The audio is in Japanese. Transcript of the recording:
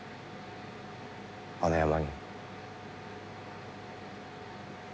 あの山に。